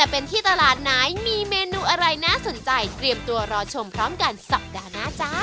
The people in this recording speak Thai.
โปรดติดตามตอนต่อไป